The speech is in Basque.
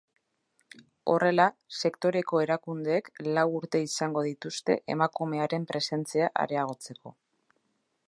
Horrela, sektoreko erakundeek lau urte izango dituzte emakumearen presentzia areagotzeko.